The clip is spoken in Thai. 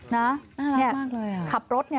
น่ารักมากเลย